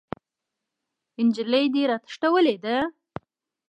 نجلۍ دې راتښتولې ده!